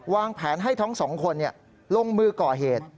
วางแผนให้ทั้งสองคนลงมือก่อเหตุ